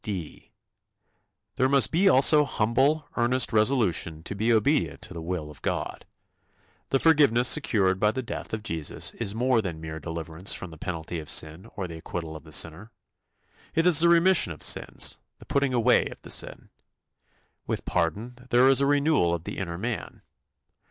" (d) There must be also humble, earnest resolution to be obedient to the will of God. The forgiveness secured by the death of Jesus is more than mere deliverance from the penalty of sin or the acquittal of the sinner. It is the remission of sins, the putting away of the sin. With pardon there is a renewal of the inner man.